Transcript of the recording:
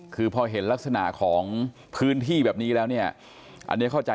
คือพอเห็นลักษณะของพื้นที่แบบนี้แล้วเนี่ยอันนี้เข้าใจ